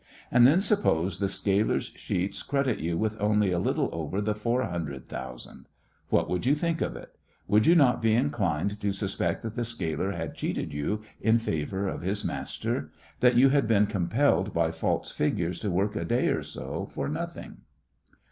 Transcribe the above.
And then suppose the scaler's sheets credit you with only a little over the four hundred thousand! What would you think of it? Would you not be inclined to suspect that the scaler had cheated you in favour of his master? that you had been compelled by false figures to work a day or so for nothing?